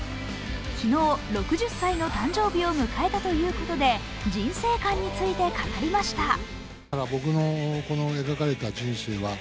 昨日、６０歳の誕生日を迎えたということで人生観について語りました。